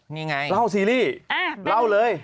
นี่ไงเล่าซีรีส์เล่าเลย